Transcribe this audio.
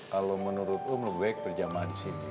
kalo menurut om lebih baik perjemah di sini